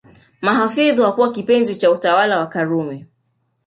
Mahfoudh hakuwa kipenzi cha utawala wa Karume